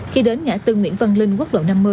khi đến ngã tư nguyễn văn linh quốc lộ năm mươi